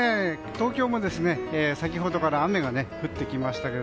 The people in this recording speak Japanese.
東京も先ほどから雨が降ってきましたが。